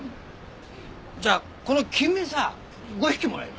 じゃあこのキンメさ５匹もらえる？